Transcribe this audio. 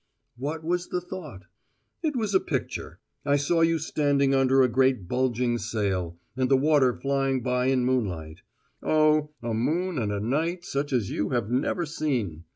"What was the thought?" "It was a picture: I saw you standing under a great bulging sail, and the water flying by in moonlight; oh, a moon and a night such as you have never seen!